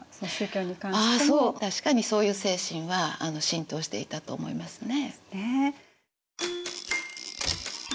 確かにそういう精神は浸透していたと思いますね。